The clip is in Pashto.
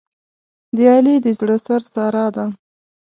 د علي د زړه سر ساره ده.